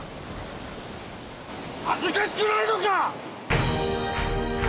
恥ずかしくないのか！